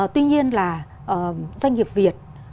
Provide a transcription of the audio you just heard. tuy nhiên là doanh nghiệp việt